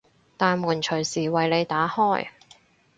大門隨時為你打開